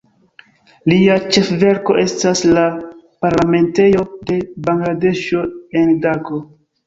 Lia ĉefverko estas la parlamentejo de Bangladeŝo, en Dako.